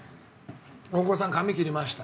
大久保さん髪切りました。